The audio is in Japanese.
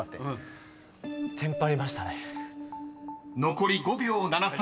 ［残り５秒７３。